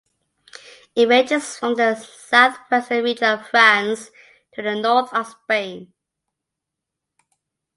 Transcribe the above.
It ranges from the southwestern region of France to the north of Spain.